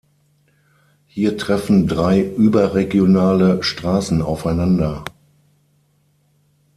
Hier treffen drei überregionale Straßen aufeinander.